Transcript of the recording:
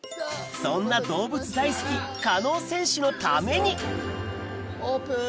そんな動物大好き加納選手のためにオープン！